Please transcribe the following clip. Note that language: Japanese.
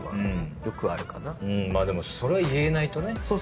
でもそれは言えないとね。